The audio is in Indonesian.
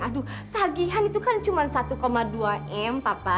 aduh tagihan itu kan cuma satu dua m papa